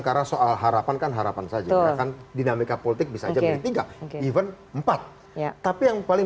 karena soal harapan kan harapan saja kan dinamika politik bisa aja mendingan event empat tapi yang paling